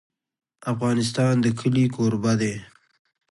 افغانستان د کلي کوربه دی.